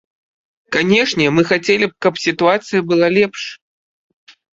Канешне, мы хацелі б, каб сітуацыя была лепш.